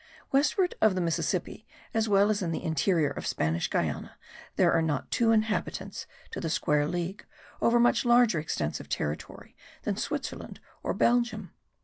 Westward of the Mississippi as well as in the interior of Spanish Guiana there are not two inhabitants to the square league over much larger extents of territory than Switzerland or Belgium.